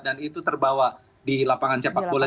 dan itu terbawa di lapangan cepat bola